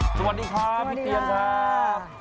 สวัสดีครับพี่เตี๋ยงครับสวัสดีครับ